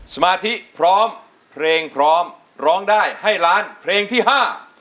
สมาธิพร้อมเพลงพร้อมร้องได้ให้ล้านเพลงที่ห้า